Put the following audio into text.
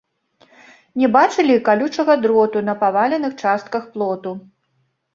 Не бачылі і калючага дроту на паваленых частках плоту.